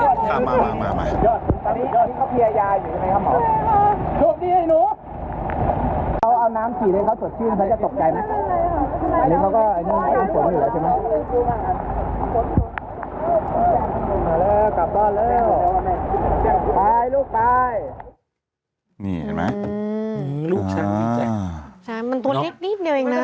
เป็นการกระตุ้นการไหลเวียนของเลือด